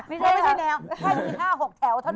มันไม่ใช่แนวค่ะ